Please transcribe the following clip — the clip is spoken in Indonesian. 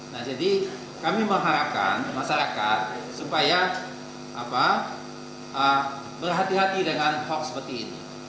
nah jadi kami mengharapkan masyarakat supaya berhati hati dengan hoax seperti ini